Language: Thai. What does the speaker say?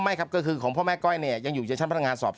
ไม่ครับก็คือของพ่อแม่ก้อยยังอยู่ในชั้นพนักงานสอบสวน